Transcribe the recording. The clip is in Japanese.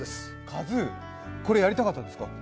これやりたかったんですか。